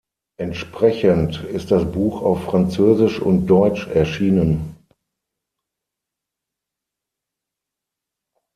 Entsprechend ist das Buch auf Französisch und Deutsch erschienen.